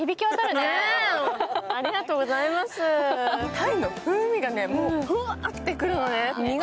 鯛の風味がもうふわってくるのね。